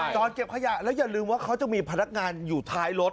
เก็บขยะแล้วอย่าลืมว่าเขาจะมีพนักงานอยู่ท้ายรถ